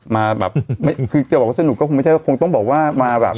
มาแบบไม่คือจะบอกว่าสนุกก็คงไม่ใช่ก็คงต้องบอกว่ามาแบบ